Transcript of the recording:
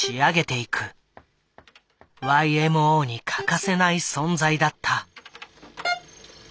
ＹＭＯに欠かせない存在だった。